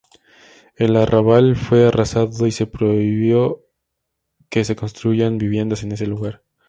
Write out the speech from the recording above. El arrabal fue arrasado y se prohibió que se construyeran viviendas en el lugar.